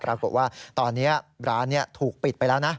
ปรากฏว่าตอนนี้ร้านถูกปิดไปแล้วนะ